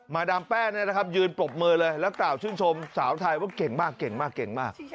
มาดามแป้นนะครับยืนปรบมือเลยแล้วกล่าวชื่นชมสาวไทยว่าเก่งมาก